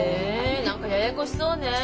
何かややこしそうねえ。